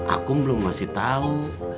aku belum masih tau